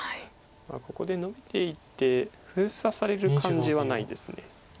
ここでノビていって封鎖される感じはないです。